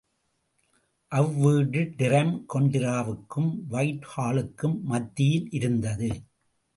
அவ்வீடு டிரம்கொண்டராவுக்கும் white ஹாலுக்கும் மத்தியிலிருந்தது.